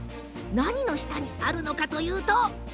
何の下にあるのかというと。